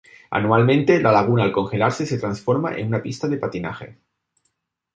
Anualmente, la laguna al congelarse se transforma en una pista de patinaje.